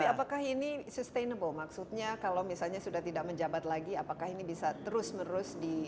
tapi apakah ini sustainable maksudnya kalau misalnya sudah tidak menjabat lagi apakah ini bisa terus menerus di